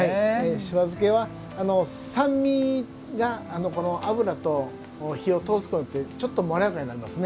しば漬けは酸味が油と火を通すことによってちょっと、まろやかになります。